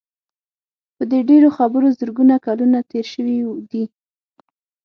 په دې ډېرو خبرو زرګونه کلونه تېر شوي دي.